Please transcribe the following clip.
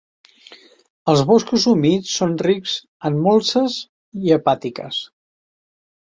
Els boscos humits són rics en molses i hepàtiques.